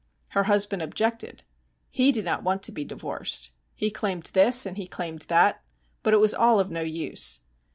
Her husband objected; he did not want to be divorced. He claimed this, and he claimed that, but it was all of no use.